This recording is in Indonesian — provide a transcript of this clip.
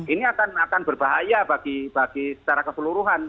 ini akan berbahaya bagi secara keseluruhan